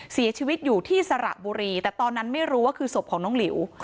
เสียชีวิตอยู่ที่สระบุรีแต่ตอนนั้นไม่รู้ว่าคือศพของน้องหลิว